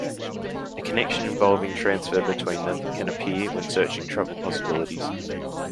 A connection involving transfer between them can appear when searching travel possibilities.